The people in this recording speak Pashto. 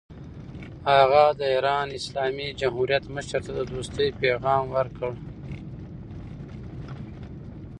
هغه د ایران اسلامي جمهوریت مشر ته د دوستۍ پیغام ورکړ.